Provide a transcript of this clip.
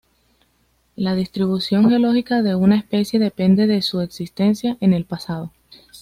La distribución geológica de una especie depende de su existencia en el pasado.